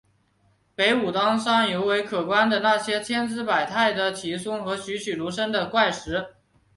北武当山尤为可观的是那些千姿百态的奇松和栩栩如生的怪石。